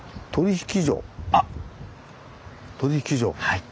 はい。